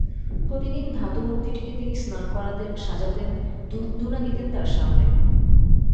প্রতিদিন ধাতুমূর্তিটিকে তিনি স্নান করাতেন, সাজাতেন, ধূপধুনা দিতেন তাঁর সামনে।